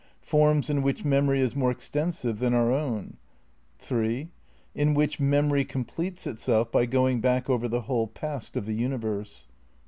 Forms in which memory is more extensive than our own ; 3. in which memory completes itself by going back over the whole past of the universe.